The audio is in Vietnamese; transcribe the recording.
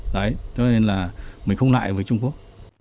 đấy cho nên là mình không lại với trung quốc